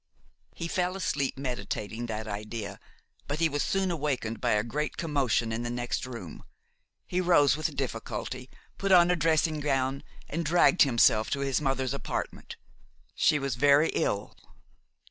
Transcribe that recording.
He fell asleep meditating that idea: but he was soon awakened by a great commotion in the next room. He rose with difficulty, put on a dressing gown, and dragged himself to his mother's apartment. She was very ill.